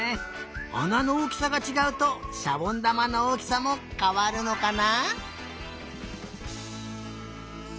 あなのおおきさがちがうとしゃぼんだまのおおきさもかわるのかな？